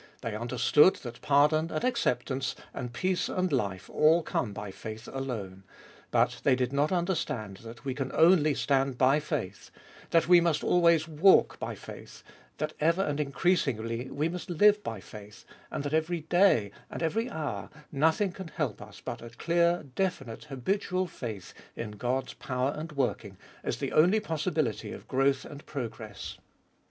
They understood that pardon and acceptance and peace and life all come by faith alone. But they did not understand that we can only stand by faith; that we must always walk by faith; that ever and increas ingly we must live by faith ; and that every day and every hour nothing can help us but a clear, definite, habitual faith in God's power and working, as the only possibility of growth and pro gress.